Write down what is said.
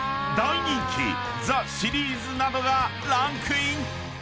［大人気ザ★シリーズなどがランクイン！］